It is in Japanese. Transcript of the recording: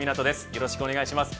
よろしくお願いします。